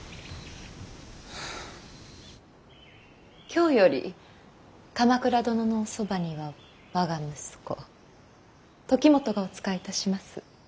今日より鎌倉殿のおそばには我が息子時元がお仕えいたします。